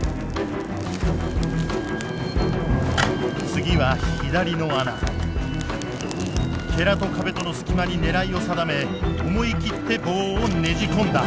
次は左の穴。と壁との隙間に狙いを定め思い切って棒をねじ込んだ。